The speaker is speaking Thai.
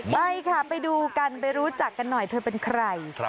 ไปค่ะไปดูกันไปรู้จักกันหน่อยเธอเป็นใคร